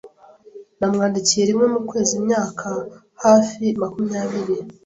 Namwandikiye rimwe mu kwezi imyaka hafi makumyabiri.